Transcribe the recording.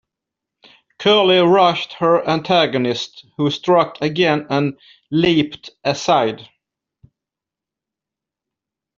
Curly rushed her antagonist, who struck again and leaped aside.